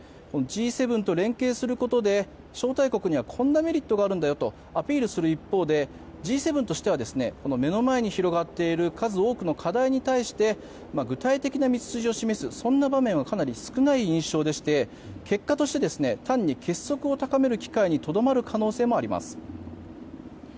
Ｇ７と連携することで招待国にはこんなメリットがあるんだよとアピールする一方でＧ７としては目の前に広がっている数多くの課題に対して具体的な道筋を示す場面はかなり少ない印象でして結果として、単に結束を高める機会にとどまる可能性もあります。